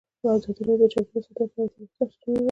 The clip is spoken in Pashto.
ازادي راډیو د چاپیریال ساتنه په اړه تاریخي تمثیلونه وړاندې کړي.